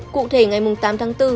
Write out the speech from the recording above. cụ thể ngày tám tháng bốn